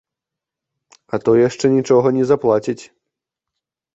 А то яшчэ нічога не заплаціць.